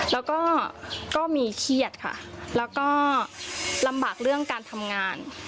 แล้วก็ก็มีเครียดค่ะแล้วก็ลำบากเรื่องการทำงาน